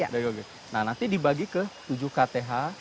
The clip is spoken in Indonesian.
nah nanti dibagi ke tujuh kth